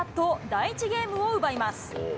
第１ゲームを奪います。